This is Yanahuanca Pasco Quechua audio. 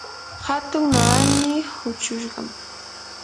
hatun naani huchushqam.